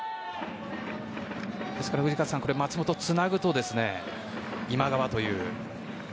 藤川さん、松本がつなぐと今川という。